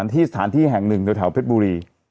ที่สถานที่แห่งหนึ่งแถวเพชรบุรี